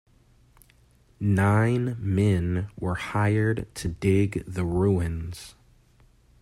Nine men were hired to dig the ruins.